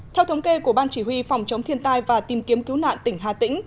theo thống kê của ban chỉ huy phòng chống thiên tai và tìm kiếm cứu nạn tỉnh hà tĩnh